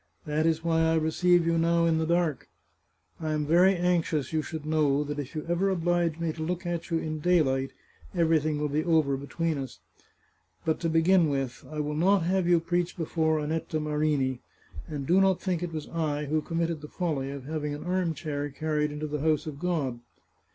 That is why I receive you now in the dark. I am very anxious you should know that if you ever oblige me to look at you in daylight everything will be 528 The Chartreuse of Parma over between us. But to begin with, I will not have you preach before Annetta Marini ; and do not think it was I who committed the folly of having an arm chair carried into the house of God."